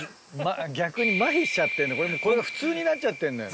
逆にまひしちゃってるこれが普通になっちゃってんのよ。